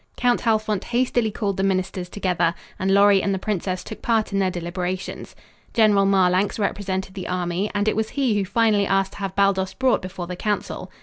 Count Halfont hastily called the ministers together, and Lorry and the princess took part in their deliberations. General Marlanx represented the army; and it was he who finally asked to have Baldos brought before the council.